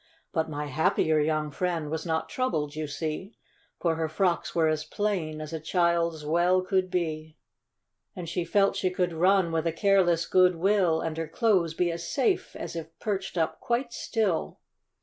But my happier young friend was not troubled, you see, For her frocks were as plain as a child's well could be; And she felt she could run with a careless good will, And her clothes be as safe as if perched up quite still.